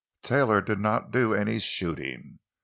Taylor did not do any shooting.